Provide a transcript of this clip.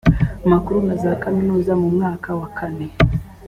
makuru na za kaminuza mu mwaka wa kane